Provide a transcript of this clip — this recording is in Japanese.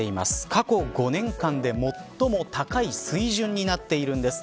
過去５年間で最も高い水準になっているんです。